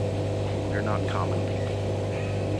We’re not common people.